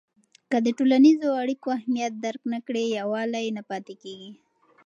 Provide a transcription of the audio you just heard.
که د ټولنیزو اړیکو اهمیت درک نه کړې، یووالی نه پاتې کېږي.